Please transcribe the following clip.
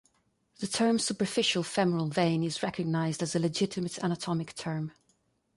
The term "superficial femoral vein" is recognized as a legitimate anatomic term.